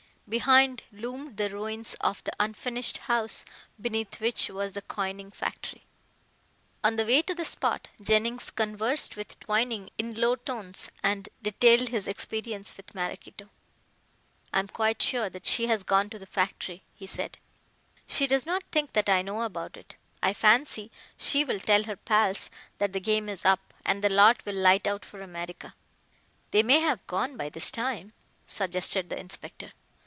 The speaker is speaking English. Behind loomed the ruins of the unfinished house beneath which was the coining factory. On the way to the spot Jennings conversed with Twining in low tones and detailed his experience with Maraquito. "I am quite sure that she has gone to the factory," he said; "she does not think that I know about it. I fancy she will tell her pals that the game is up and the lot will light out for America." "They may have gone by this time," suggested the inspector.